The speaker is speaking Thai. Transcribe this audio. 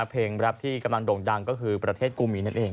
แรปที่กำลังโด่งดังก็คือประเทศกูมีนั่นเอง